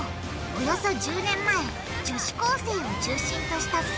およそ１０年前女子高生を中心としたす